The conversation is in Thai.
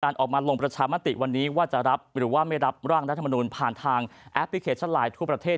ออกมาลงประชามติวันนี้ว่าจะรับหรือว่าไม่รับร่างรัฐมนุนผ่านทางแอปพลิเคชันไลน์ทั่วประเทศ